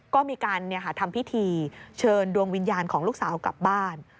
ก็มีการทำพิธีเชิญดวงวิญญาณของลูกสาวกลับบ้าน